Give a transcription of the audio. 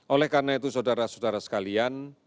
oleh karena itu saudara saudara sekalian